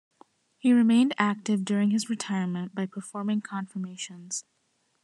He remained active during his retirement by performing confirmations.